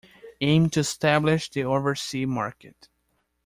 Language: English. Aimed to establish the oversea market.